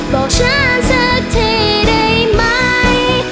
บอกฉันสักทีได้ไหม